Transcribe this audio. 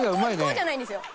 こうじゃないんですよ。